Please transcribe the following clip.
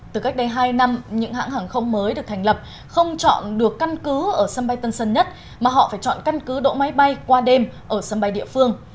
từ cách đây hai năm những hãng hàng không mới được thành lập không chọn được căn cứ ở sân bay tân sân nhất mà họ phải chọn căn cứ đỗ máy bay qua đêm ở sân bay địa phương